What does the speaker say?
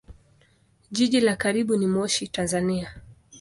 Jiji la karibu ni Moshi, Tanzania.